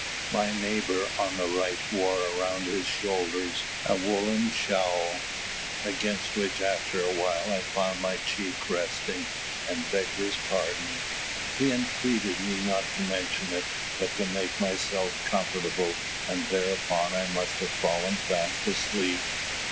My neighbour on the right wore around his shoulders a woollen shawl, against which after a while I found my cheek resting, and begged his pardon. He entreated me not to mention it, but to make myself comfortable; and thereupon I must have fallen fast asleep.